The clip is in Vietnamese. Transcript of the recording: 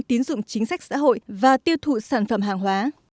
tiến dụng chính sách xã hội và tiêu thụ sản phẩm hàng hóa